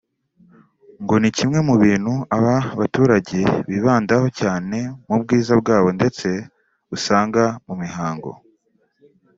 ngo ni kimwe mu bintu aba baturage bibandaho cyane mu bwiza bwabo ndetse usanga mu mihango